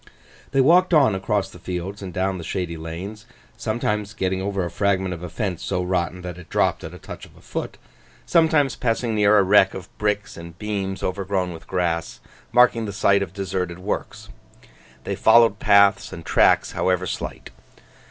They walked on across the fields and down the shady lanes, sometimes getting over a fragment of a fence so rotten that it dropped at a touch of the foot, sometimes passing near a wreck of bricks and beams overgrown with grass, marking the site of deserted works. They followed paths and tracks, however slight.